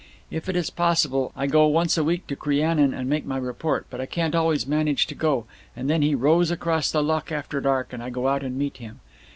If it is possible, I go once a week to Crianan and make my report, but I can't always manage to go, and then he rows across the loch after dark and I go out and meet him.